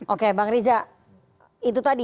oke bang riza